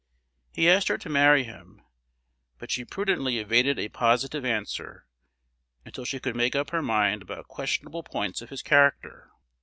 He asked her to marry him; but she prudently evaded a positive answer until she could make up her mind about questionable points of his character.